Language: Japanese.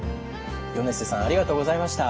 米瀬さんありがとうございました。